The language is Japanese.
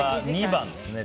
２番ですね。